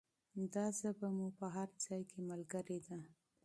دا ژبه مو په هر ځای کې ملګرې ده.